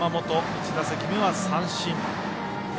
１打席目は三振。